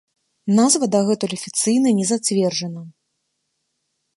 Назва дагэтуль афіцыйна не зацверджана.